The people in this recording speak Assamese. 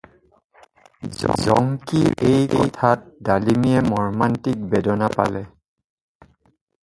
জংকিৰ এই কথাত ডালিমীয়ে মৰ্মান্তিক বেদনা পালে।